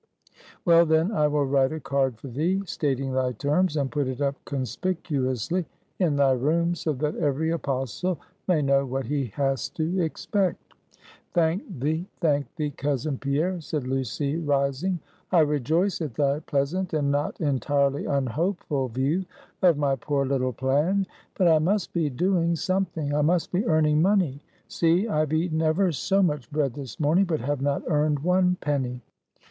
"Well, then, I will write a card for thee, stating thy terms; and put it up conspicuously in thy room, so that every Apostle may know what he has to expect." "Thank thee, thank thee, cousin Pierre," said Lucy, rising. "I rejoice at thy pleasant and not entirely unhopeful view of my poor little plan. But I must be doing something; I must be earning money. See, I have eaten ever so much bread this morning, but have not earned one penny."